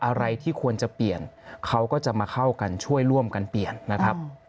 อะไรที่ควรจะเปลี่ยนเขาก็จะมาเข้ากันช่วยร่วมกันเปลี่ยนนะครับ